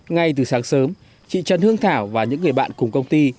ngay từ sáng sớm chị trần hương thảo và những người bạn cùng công ty